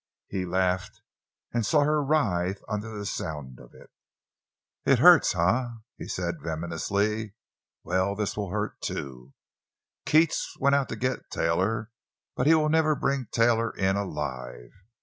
He laughed, and saw her writhe under the sound of it. "It hurts, eh?" he said venomously; "well, this will hurt, too. Keats went out to get Taylor, but he will never bring Taylor in—alive.